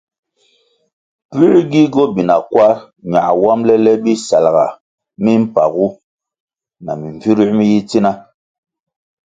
Pue gi gobina kwarʼ na wambʼle le bisalʼga mimpagu na mimbvire mi yi tsina?